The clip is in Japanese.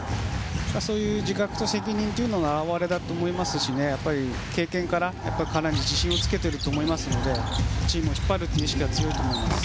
そういう自覚と責任の表れだと思いますし経験から、彼も自信をつけていると思いますからチームを引っ張るという意識は強いと思います。